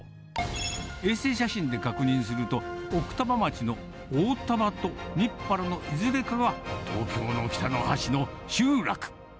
衛星写真で確認すると、奥多摩町の大丹波と日原のいずれかが、東京の北の端の集落。